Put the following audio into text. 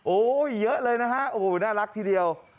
โอ้เยอะเลยนะฮะน่ารักทีเดียว